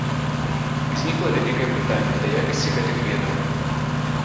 Узнікла вялікае пытанне да якасці гэтых ведаў.